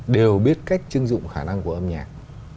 đều biết cách chưng dụng khả năng của âm nhạc